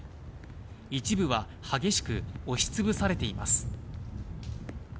一部は激しく押し潰されています。